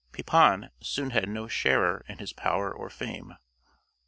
Pepin soon had no sharer in his power or fame.